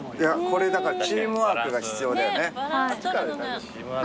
これチームワークが必要だよね。